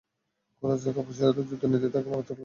কুরাইশদের কাপুরুষোচিত যুদ্ধ-নীতি তাকে মারাত্মক লজ্জিত করেছিল।